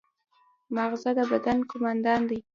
ماغزه د بدن قوماندان دی